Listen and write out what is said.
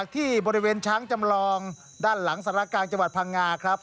ที่บริเวณช้างจำลองด้านหลังสารกลางจังหวัดพังงาครับ